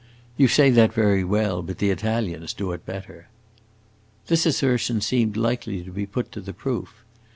"You say that very well, but the Italians do it better." This assertion seemed likely to be put to the proof.